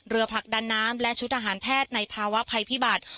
ผลักดันน้ำและชุดทหารแพทย์ในภาวะภัยพิบัติ